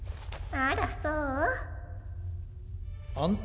あらそう？